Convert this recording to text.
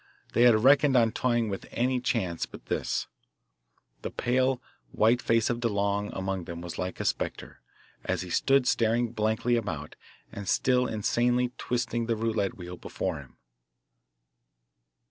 They had reckoned on toying with any chance but this. The pale white face of DeLong among them was like a spectre, as he stood staring blankly about and still insanely twisting the roulette wheel before him.